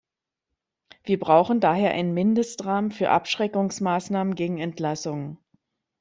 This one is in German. Wir brauchen daher einen Mindestrahmen für Abschreckungsmaßnahmen gegen Entlassungen.